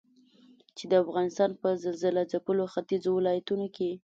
چې د افغانستان په زلزلهځپلو ختيځو ولايتونو کې